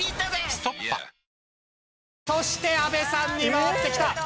「ストッパ」そして阿部さんに回ってきた。